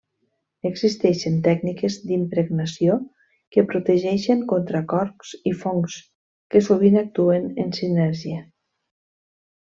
Existeixen tècniques d'impregnació que protegeixen contra corcs i fongs, que sovint actuen en sinergia.